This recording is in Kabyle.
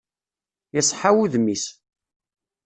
Iseḥḥa wudem-is.